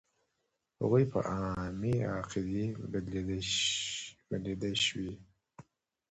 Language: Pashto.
هغوی په عامې قاعدې بدلېدلی شوې.